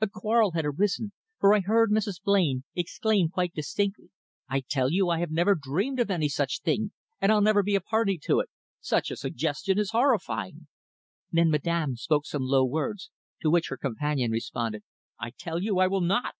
A quarrel had arisen, for I heard Mrs. Blain exclaim quite distinctly: `I tell you I have never dreamed of any such thing; and I'll never be a party to it. Such a suggestion is horrifying!' Then Madame spoke some low words, to which her companion responded: `I tell you I will not!